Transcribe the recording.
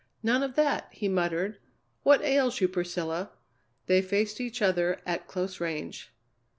"None of that!" he muttered. "What ails you, Priscilla?" They faced each other at close range.